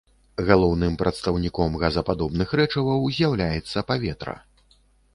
Галоўным прадстаўніком газападобных рэчываў з'яўляецца паветра.